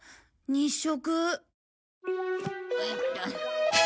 日食！